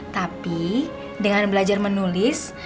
tapi dengan belajar menulis